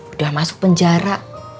udah masuk penjara